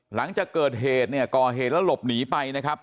หลังจากเกิดเหตุเนี่ยก่อเหตุแล้วหลบหนีไปนะครับ